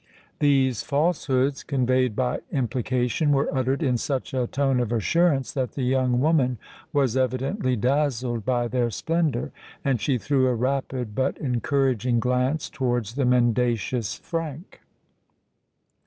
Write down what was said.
These falsehoods, conveyed by implication, were uttered in such a tone of assurance, that the young woman was evidently dazzled by their splendour; and she threw a rapid, but encouraging glance towards the mendacious Frank.